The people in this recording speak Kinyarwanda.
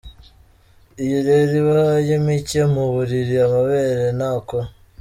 Iyo rero ibaye mike mu mubiri, amabere ntakura.